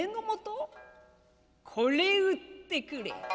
「これ売ってくれ」。